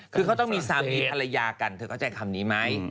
คือเขาต้องมีสามีภรรยากันเธอเข้าใจคำนี้ไหม